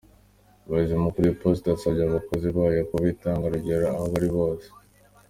Umuyobozi Mukuru w'Iposita yasabye abakozi bayo kuba intangarugero aho bari hose.